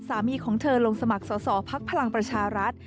สามีของเธอลงสมัครสอสอภักดิ์พลังประชารัฐ